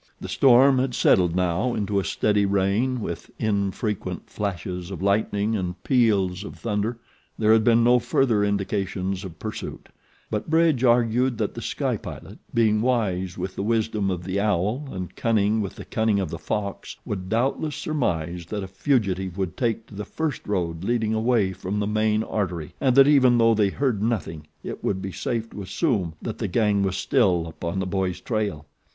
The storm had settled now into a steady rain with infrequent flashes of lightning and peals of thunder. There had been no further indications of pursuit; but Bridge argued that The Sky Pilot, being wise with the wisdom of the owl and cunning with the cunning of the fox, would doubtless surmise that a fugitive would take to the first road leading away from the main artery, and that even though they heard nothing it would be safe to assume that the gang was still upon the boy's trail.